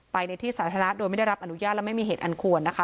ในที่สาธารณะโดยไม่ได้รับอนุญาตและไม่มีเหตุอันควรนะคะ